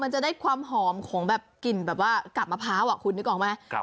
มันจะได้ความหอมของแบบกลิ่นแบบว่ากาบมะพร้าวคุณนึกออกไหม